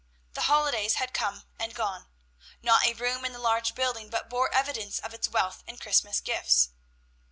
The holidays had come and gone. Not a room in the large building but bore evidence of its wealth in Christmas gifts.